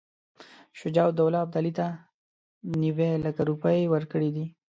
شجاع الدوله ابدالي ته نیوي لکه روپۍ ورکړي دي.